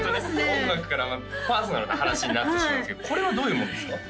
音楽からパーソナルな話になってしまうんですけどこれはどういうものですか？